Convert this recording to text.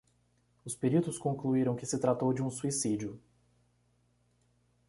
Os peritos concluiram que se tratou de um suicídio.